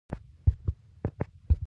صبر د ژوند ښکلا ده.